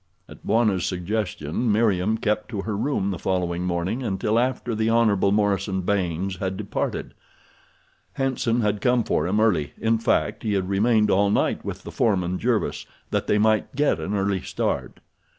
At Bwana's suggestion Meriem kept to her room the following morning until after the Hon. Morison Baynes had departed. Hanson had come for him early—in fact he had remained all night with the foreman, Jervis, that they might get an early start.